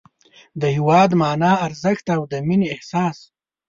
د هېواد مانا، ارزښت او د مینې احساس